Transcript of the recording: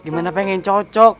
di mana pengen cocok